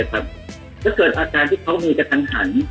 ถ้าเกิดอาการที่เขามีกระทันหัน